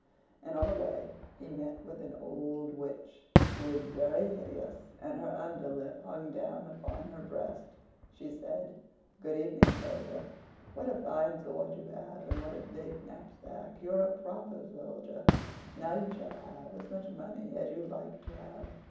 And on the way he met with an old Witch: she was very hideous and her under lip hung down upon her breast. She said: "Good evening, Soldier. What a fine sword you have, and what a big knapsack! You're a proper soldier! Now you shall have as much money as you like to have."